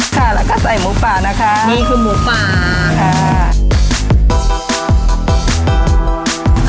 ค่ะแล้วก็ใส่หมูป่านะคะนี่คือหมูป่าค่ะ